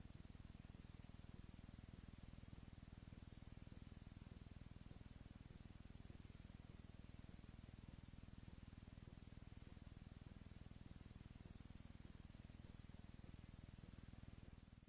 เป้าหมาย